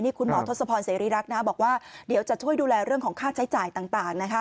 คุณหมอทศพรเสรีรักษ์นะบอกว่าเดี๋ยวจะช่วยดูแลเรื่องของค่าใช้จ่ายต่างนะคะ